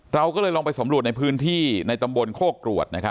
เราก็เลยลองไปสำรวจในพื้นที่ในตำบลโคกรวดนะครับ